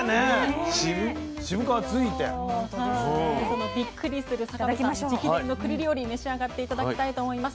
そのびっくりする坂部さん直伝のくり料理召し上がって頂きたいと思います。